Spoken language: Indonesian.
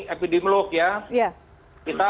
epidemiolog ya kita